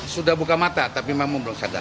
sudah buka mata tapi memang belum sadar